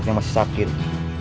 kamu sudah ke rumah